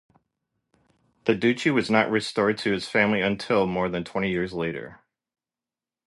The duchy was not restored to his family until more than twenty years later.